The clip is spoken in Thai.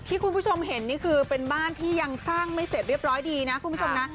คุณผู้ชมเห็นนี่คือเป็นบ้านที่ยังสร้างไม่เสร็จเรียบร้อยดีนะคุณผู้ชมนะ